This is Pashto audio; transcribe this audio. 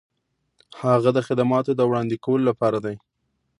هغه د خدماتو د وړاندې کولو لپاره دی.